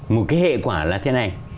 một cái hệ quả là thế này